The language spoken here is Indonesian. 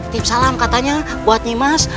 tipsalam katanya buat nyi mas